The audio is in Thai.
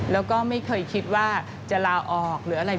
แล้วก็ไม่เคยคิดว่าจะลาออกหรืออะไร